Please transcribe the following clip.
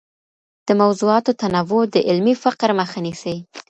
د موضوعاتو تنوع د علمي فقر مخه نيسي.